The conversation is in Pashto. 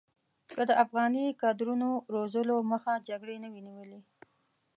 که د افغاني کادرونو روزلو مخه جګړې نه وی نیولې.